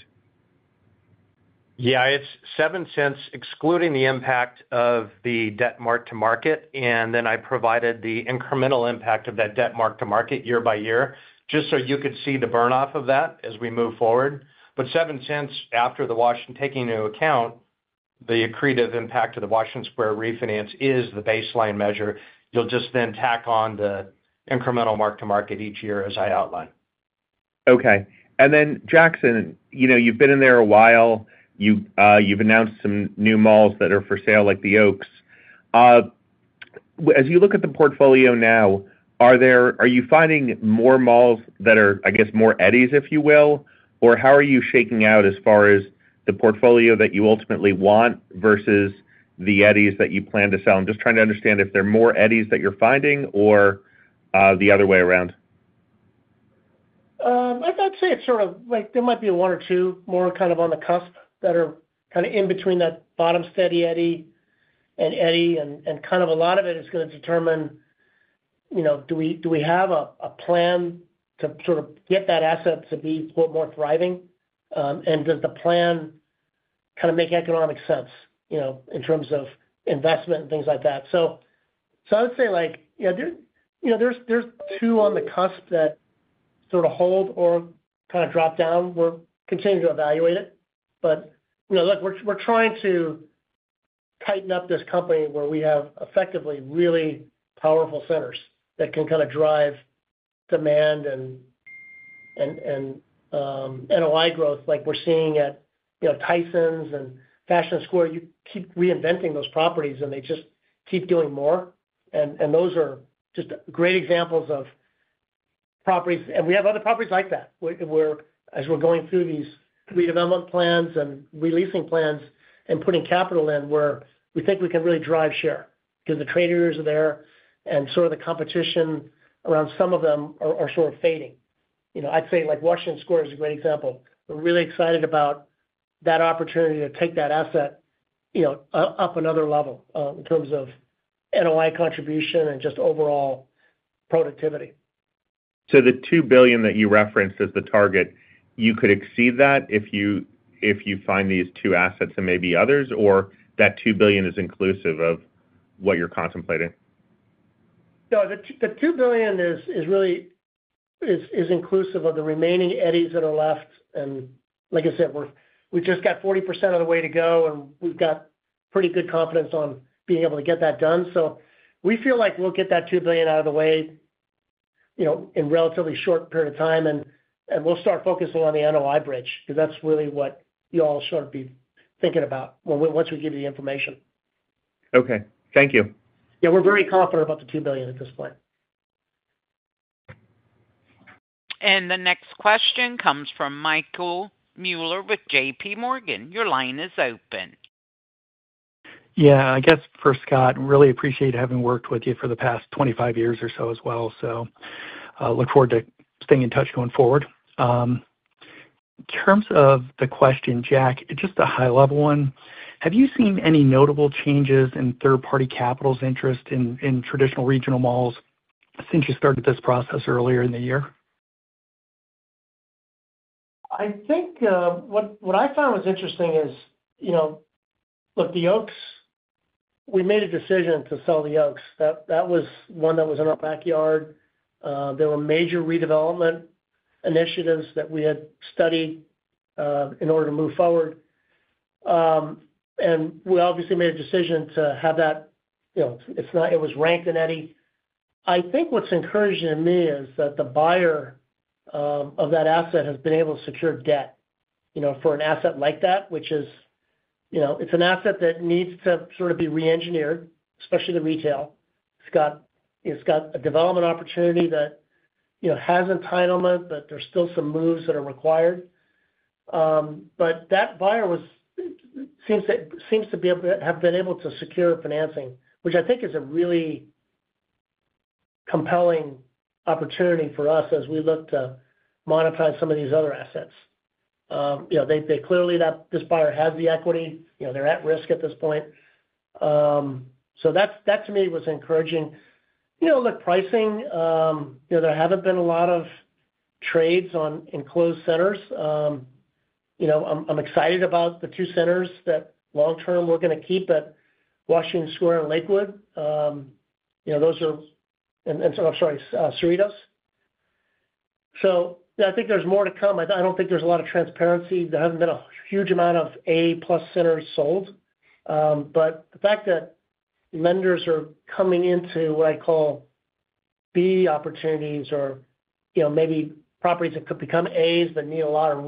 Yeah. It's $0.07 excluding the impact of the debt mark-to-market. And then I provided the incremental impact of that debt mark-to-market year by year just so you could see the burn-off of that as we move forward. But $0.07 after the Washington Square, taking into account the accretive impact of the Washington Square refinance, is the baseline measure. You'll just then tack on the incremental mark-to-market each year as I outline. Okay. And then, Jackson, you've been in there a while. You've announced some new malls that are for sale like The Oaks. As you look at the portfolio now, are you finding more malls that are, I guess, more Eddys, if you will? Or how are you shaking out as far as the portfolio that you ultimately want versus the Eddys that you plan to sell? I'm just trying to understand if they're more Eddys that you're finding or the other way around. I'd say it's sort of there might be one or two more kind of on the cusp that are kind of in between that bottom Steady Eddy and Eddy. And kind of a lot of it is going to determine do we have a plan to sort of get that asset to be more thriving? And does the plan kind of make economic sense in terms of investment and things like that? So I would say there's two on the cusp that sort of hold or kind of drop down. We're continuing to evaluate it. But look, we're trying to tighten up this company where we have effectively really powerful centers that can kind of drive demand and NOI growth like we're seeing at Tysons and Fashion Square. You keep reinventing those properties, and they just keep doing more. And those are just great examples of properties. We have other properties like that. As we're going through these redevelopment plans and leasing plans and putting capital in, we think we can really drive share because the trade areas are there and sort of the competition around some of them are sort of fading. I'd say Washington Square is a great example. We're really excited about that opportunity to take that asset up another level in terms of NOI contribution and just overall productivity. So the $2 billion that you referenced as the target, you could exceed that if you find these two assets and maybe others, or that $2 billion is inclusive of what you're contemplating? No. The $2 billion is really inclusive of the remaining Eddys that are left. And like I said, we just got 40% of the way to go, and we've got pretty good confidence on being able to get that done. So we feel like we'll get that $2 billion out of the way in a relatively short period of time. And we'll start focusing on the NOI bridge because that's really what you all should be thinking about once we give you the information. Okay. Thank you. Yeah. We're very confident about the $2 billion at this point. The next question comes from Michael Mueller with J.P. Morgan. Your line is open. Yeah. I guess for Scott, really appreciate having worked with you for the past 25 years or so as well. So look forward to staying in touch going forward. In terms of the question, Jack, just a high-level one. Have you seen any notable changes in third-party capital's interest in traditional regional malls since you started this process earlier in the year? I think what I found was interesting is, look, The Oaks, we made a decision to sell The Oaks. That was one that was in our backyard. There were major redevelopment initiatives that we had studied in order to move forward. And we obviously made a decision to have that. It was ranked in Eddy. I think what's encouraging to me is that the buyer of that asset has been able to secure debt for an asset like that, which is, it's an asset that needs to sort of be re-engineered, especially the retail. It's got a development opportunity that has entitlement, but there's still some moves that are required. But that buyer seems to have been able to secure financing, which I think is a really compelling opportunity for us as we look to monetize some of these other assets. Clearly, this buyer has the equity. They're at risk at this point. So that, to me, was encouraging. Look, pricing, there haven't been a lot of trades on enclosed centers. I'm excited about the two centers that long-term we're going to keep at Washington Square and Lakewood. Those are. I'm sorry. Cerritos. So I think there's more to come. I don't think there's a lot of transparency. There hasn't been a huge amount of A-plus centers sold. But the fact that lenders are coming into what I call B opportunities or maybe properties that could become A's that need a lot of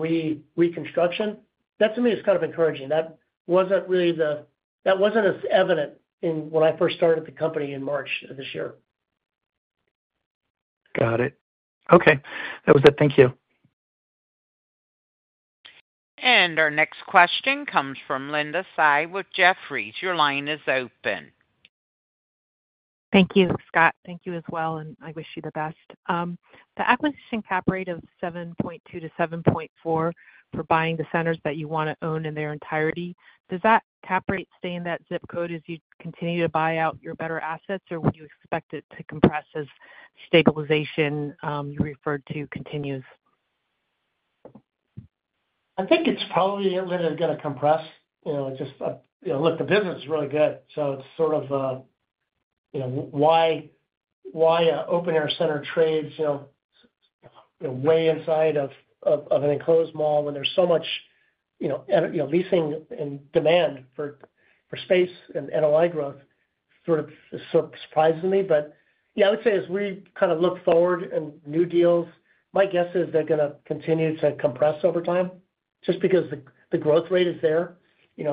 reconstruction, that, to me, is kind of encouraging. That wasn't really. That wasn't as evident when I first started the company in March of this year. Got it. Okay. That was it. Thank you. And our next question comes from Linda Tsai with Jefferies. Your line is open. Thank you, Scott. Thank you as well. And I wish you the best. The acquisition cap rate of 7.2% to 7.4% for buying the centers that you want to own in their entirety, does that cap rate stay in that zip code as you continue to buy out your better assets, or would you expect it to compress as stabilization you referred to continues? I think it's probably going to compress. Just look, the business is really good. So it's sort of why open-air center trades way inside of an enclosed mall when there's so much leasing and demand for space and NOI growth sort of surprises me? But yeah, I would say as we kind of look forward and new deals, my guess is they're going to continue to compress over time just because the growth rate is there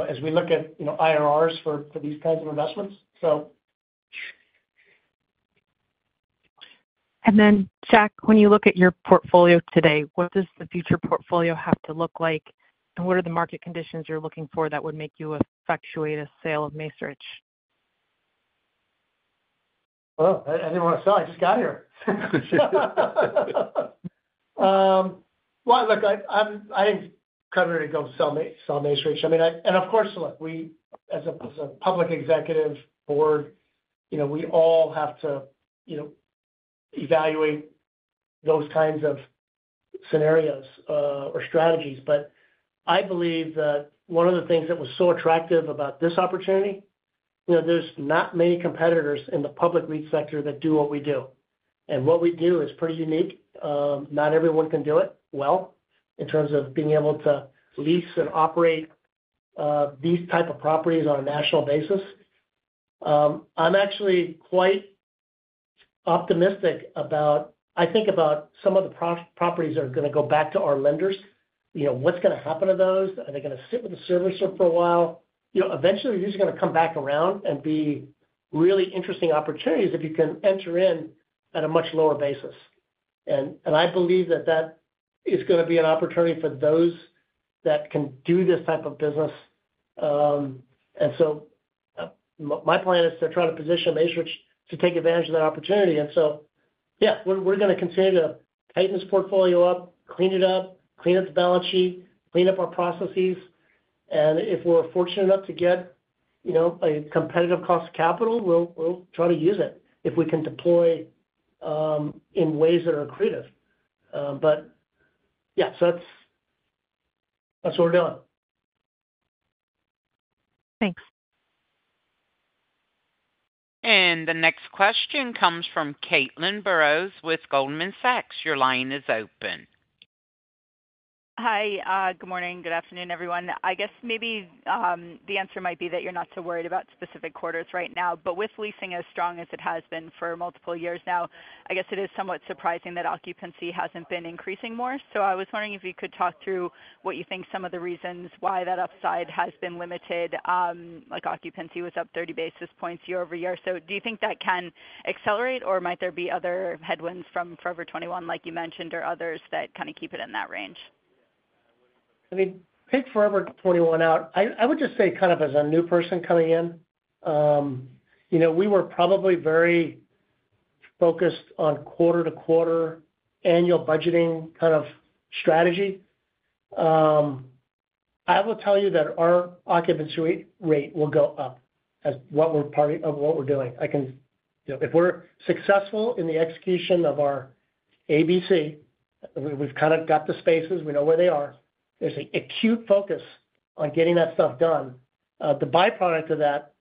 as we look at IRRs for these kinds of investments. So. And then, Jack, when you look at your portfolio today, what does the future portfolio have to look like, and what are the market conditions you're looking for that would make you effectuate a sale of Macerich? I didn't want to sell. I just got here. Look, I didn't cut it to go sell Macerich. And of course, look, as a public executive board, we all have to evaluate those kinds of scenarios or strategies. But I believe that one of the things that was so attractive about this opportunity, there's not many competitors in the public retail sector that do what we do. And what we do is pretty unique. Not everyone can do it well in terms of being able to lease and operate these types of properties on a national basis. I'm actually quite optimistic about. I think about some of the properties that are going to go back to our lenders. What's going to happen to those? Are they going to sit with the servicer for a while? Eventually, these are going to come back around and be really interesting opportunities if you can enter in at a much lower basis. And I believe that that is going to be an opportunity for those that can do this type of business. And so my plan is to try to position Macerich to take advantage of that opportunity. And so, yeah, we're going to continue to tighten this portfolio up, clean it up, clean up the balance sheet, clean up our processes. And if we're fortunate enough to get a competitive cost of capital, we'll try to use it if we can deploy in ways that are accretive. But yeah, so that's what we're doing. Thanks. The next question comes from Caitlin Burrows with Goldman Sachs. Your line is open. Hi. Good morning. Good afternoon, everyone. I guess maybe the answer might be that you're not too worried about specific quarters right now. But with leasing as strong as it has been for multiple years now, I guess it is somewhat surprising that occupancy hasn't been increasing more. So I was wondering if you could talk through what you think some of the reasons why that upside has been limited. Occupancy was up 30 basis points year over year. So do you think that can accelerate, or might there be other headwinds from Forever 21, like you mentioned, or others that kind of keep it in that range? I mean, pick Forever 21 out. I would just say kind of as a new person coming in, we were probably very focused on quarter-to-quarter annual budgeting kind of strategy. I will tell you that our occupancy rate will go up as part of what we're doing. If we're successful in the execution of our ABC, we've kind of got the spaces. We know where they are. There's an acute focus on getting that stuff done. The byproduct of that,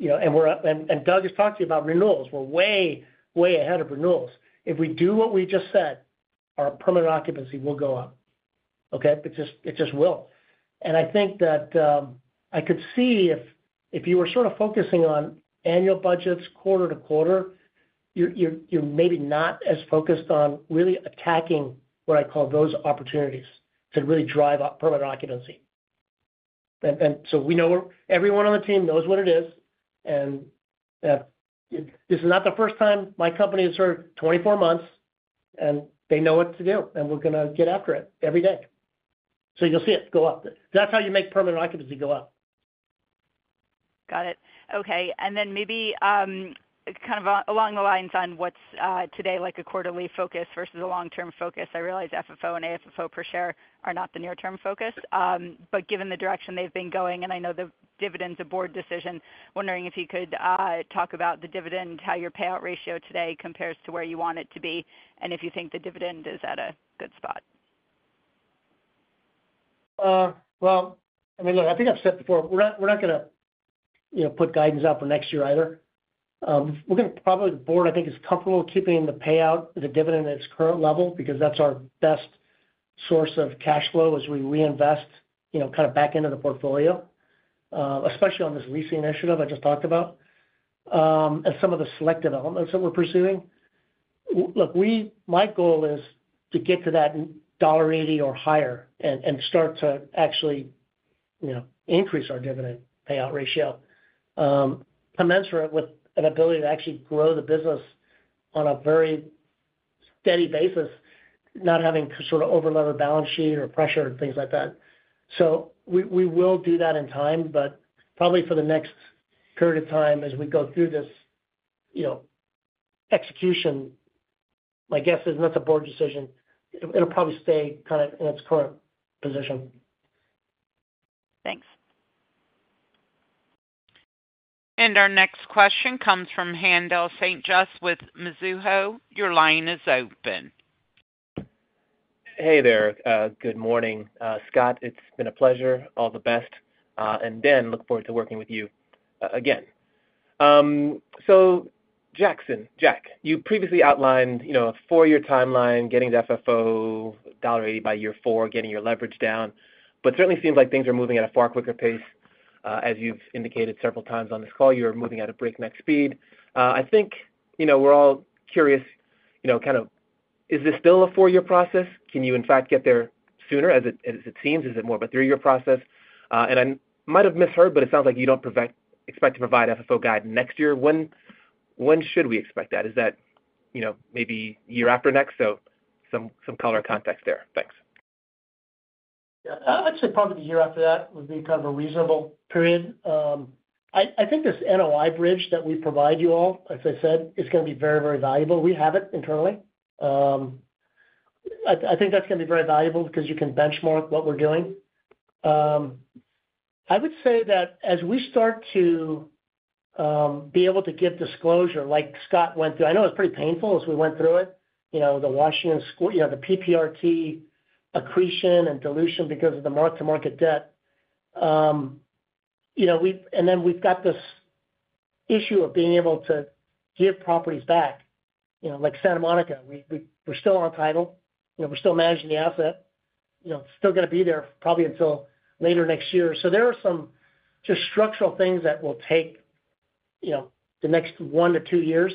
and Doug has talked to you about renewals. We're way, way ahead of renewals. If we do what we just said, our permanent occupancy will go up. Okay? It just will, and I think that I could see if you were sort of focusing on annual budgets quarter to quarter, you're maybe not as focused on really attacking what I call those opportunities to really drive up permanent occupancy. And so we know everyone on the team knows what it is. And this is not the first time my company has heard 24 months, and they know what to do. And we're going to get after it every day. So you'll see it go up. That's how you make permanent occupancy go up. Got it. Okay. And then maybe kind of along the lines on what's today like a quarterly focus versus a long-term focus. I realize FFO and AFFO per share are not the near-term focus. But given the direction they've been going, and I know the dividend's a board decision, wondering if you could talk about the dividend, how your payout ratio today compares to where you want it to be, and if you think the dividend is at a good spot. I mean, look, I think I've said before, we're not going to put guidance out for next year either. We're going to probably, the board, I think, is comfortable keeping the payout, the dividend at its current level because that's our best source of cash flow as we reinvest kind of back into the portfolio, especially on this leasing initiative I just talked about and some of the select developments that we're pursuing. Look, my goal is to get to that $1.80 or higher and start to actually increase our dividend payout ratio, commensurate with an ability to actually grow the business on a very steady basis, not having sort of overloaded balance sheet or pressure and things like that, so we will do that in time, but probably for the next period of time as we go through this execution, my guess is that's a board decision. It'll probably stay kind of in its current position. Thanks. And our next question comes from Haendel St. Juste with Mizuho. Your line is open. Hey there. Good morning, Scott. It's been a pleasure. All the best, and Dan, look forward to working with you again. So, Jackson, Jack, you previously outlined a four-year timeline, getting to FFO, $1.80 by year four, getting your leverage down, but certainly seems like things are moving at a far quicker pace. As you've indicated several times on this call, you're moving at a breakneck speed. I think we're all curious kind of, is this still a four-year process? Can you, in fact, get there sooner as it seems? Is it more of a three-year process? And I might have misheard, but it sounds like you don't expect to provide FFO guide next year. When should we expect that? Is that maybe year after next? So some color context there. Thanks. Yeah. I'd say probably the year after that would be kind of a reasonable period. I think this NOI bridge that we provide you all, as I said, is going to be very, very valuable. We have it internally. I think that's going to be very valuable because you can benchmark what we're doing. I would say that as we start to be able to give disclosure, like Scott went through, I know it was pretty painful as we went through it, the Washington Square, the PPRT accretion and dilution because of the mark-to-market debt. And then we've got this issue of being able to give properties back. Like Santa Monica, we're still on title. We're still managing the asset. It's still going to be there probably until later next year. So there are some just structural things that will take the next one to two years.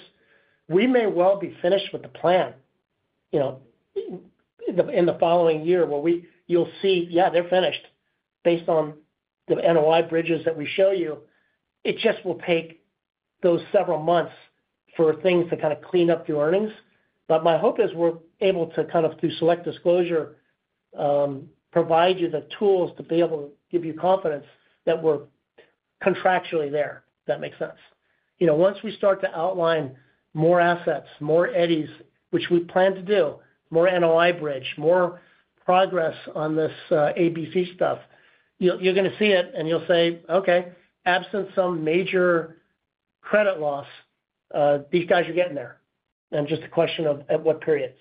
We may well be finished with the plan in the following year where you'll see, yeah, they're finished based on the NOI bridges that we show you, it just will take those several months for things to kind of clean up the earnings, but my hope is we're able to kind of, through select disclosure, provide you the tools to be able to give you confidence that we're contractually there, if that makes sense. Once we start to outline more assets, more Eddys, which we plan to do, more NOI bridge, more progress on this ABC stuff, you're going to see it, and you'll say, "Okay. Absent some major credit loss, these guys are getting there," and just a question of at what period.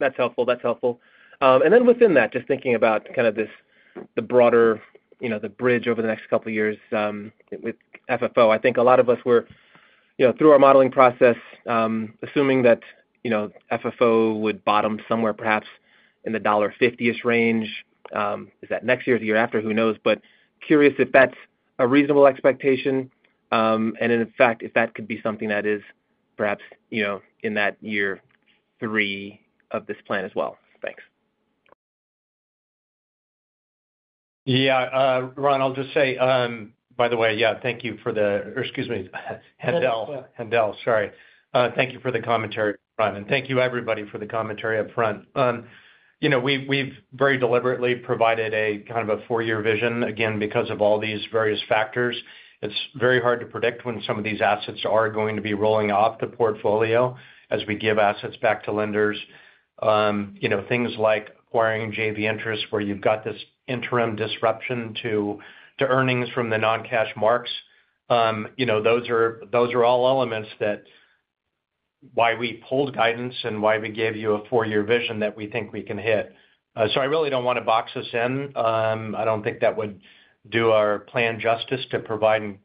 That's helpful. That's helpful. And then within that, just thinking about kind of the broader bridge over the next couple of years with FFO, I think a lot of us were through our modeling process, assuming that FFO would bottom somewhere perhaps in the $1.50 range. Is that next year or the year after? Who knows? But curious if that's a reasonable expectation. And in fact, if that could be something that is perhaps in that year three of this plan as well. Thanks. Yeah. Ryan, I'll just say, by the way, yeah, thank you for the, or excuse me, Haendel. Haendel. Sorry. Thank you for the commentary, Ryan, and thank you, everybody, for the commentary upfront. We've very deliberately provided a kind of a four-year vision, again, because of all these various factors. It's very hard to predict when some of these assets are going to be rolling off the portfolio as we give assets back to lenders. Things like acquiring JV interest where you've got this interim disruption to earnings from the non-cash marks, those are all elements that's why we pulled guidance and why we gave you a four-year vision that we think we can hit. So I really don't want to box us in. I don't think that would do our plan justice to provide an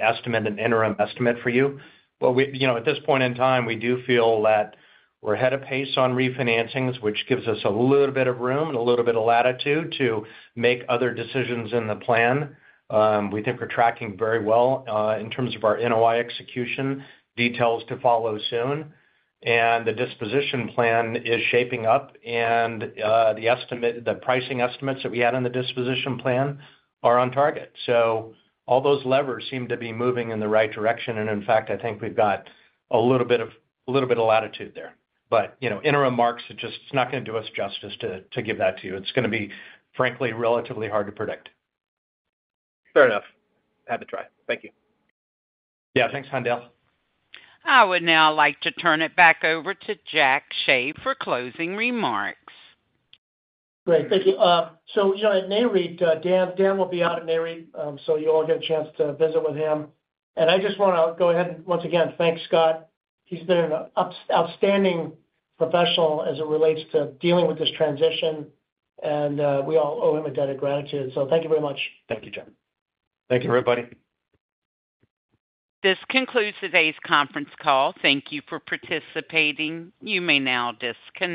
estimate, an interim estimate for you. But at this point in time, we do feel that we're ahead of pace on refinancings, which gives us a little bit of room and a little bit of latitude to make other decisions in the plan. We think we're tracking very well in terms of our NOI execution, details to follow soon. And the disposition plan is shaping up. And the pricing estimates that we had on the disposition plan are on target. So all those levers seem to be moving in the right direction. And in fact, I think we've got a little bit of latitude there. But interim marks, it's just not going to do us justice to give that to you. It's going to be, frankly, relatively hard to predict. Fair enough. Have a try. Thank you. Yeah. Thanks, Haendel. I would now like to turn it back over to Jack Hsieh for closing remarks. Great. Thank you. So at Nareit, Dan will be out at Nareit, so you all get a chance to visit with him. And I just want to go ahead and once again, thanks, Scott. He's been an outstanding professional as it relates to dealing with this transition. And we all owe him a debt of gratitude. So thank you very much. Thank you, Jack. Thank you, everybody. This concludes today's conference call. Thank you for participating. You may now disconnect.